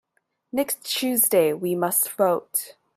Next Tuesday we must vote.